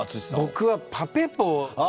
僕はパペポ。